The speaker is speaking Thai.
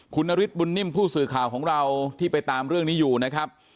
คุณนฤทธบุญนิ่มผู้สื่อข่าวของเราที่ไปตามเรื่องนี้อยู่นะครับ